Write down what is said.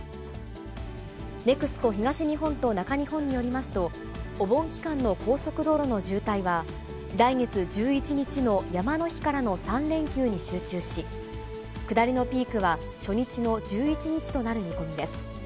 ＮＥＸＣＯ東日本と中日本によりますと、お盆期間の高速道路の渋滞は、来月１１日の山の日からの３連休に集中し、下りのピークは初日の１１日となる見込みです。